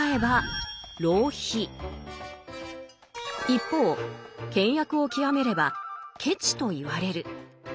一方倹約を極めれば「ケチ」と言われる。